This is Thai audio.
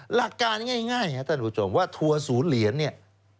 หลักการง่ายครับท่านผู้ชมว่าทัวร์ศูนย์เหรียญเนี่ย